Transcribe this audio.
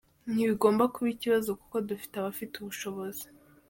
Ntibigomba kuba ikibazo kuko dufite abafite ubushobozi.